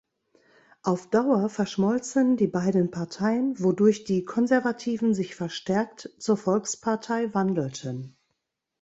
Auf Dauer verschmolzen die beiden Parteien, wodurch die Konservativen sich verstärkt zur Volkspartei wandelten.